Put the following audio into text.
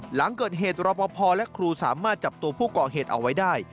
หลังเกิดเหตุรอปภและครูสามารถจับตัวผู้ก่อเหตุเอาไว้ได้